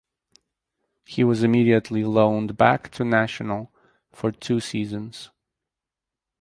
He was immediately loaned back to Nacional for two seasons.